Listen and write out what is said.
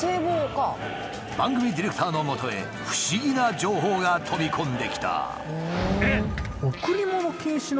番組ディレクターのもとへ不思議な情報が飛び込んできた。